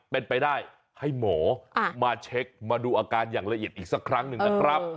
เป็นไปได้ให้หมอมาเช็คมาดูอาการอย่างละเอียดอีกสักครั้งหนึ่งนะครับ